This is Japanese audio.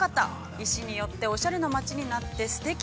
石によって、おしゃれな町になって、すてき。